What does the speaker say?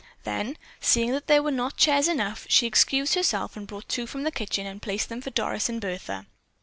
Then, seeing that there were not chairs enough, she excused herself and brought two from the kitchen and placed them for Doris and Bertha.